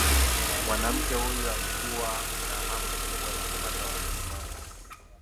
mwanamke huyo alikuwa na hamu kubwa ya kupata watoto wake